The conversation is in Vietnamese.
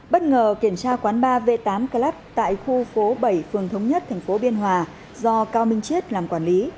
bất ngờ kiểm tra quán ba v tám club tại khu phố bảy phường thống nhất tp biên hòa do cao minh chiết làm quản lý